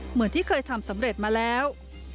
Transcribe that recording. เหมือนที่เคยทำสำเร็จมาแล้ว